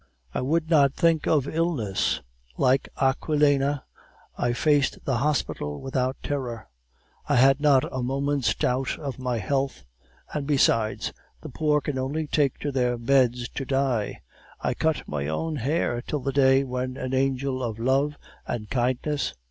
"I would not think of illness. Like Aquilina, I faced the hospital without terror. I had not a moment's doubt of my health, and besides, the poor can only take to their beds to die. I cut my own hair till the day when an angel of love and kindness...